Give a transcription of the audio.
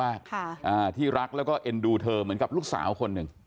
อ่าที่รักแล้วก็เอ็นดูเธอเหมือนกับลูกสาวคนหนึ่ง